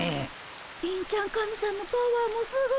貧ちゃん神さんのパワーもすごいねえ。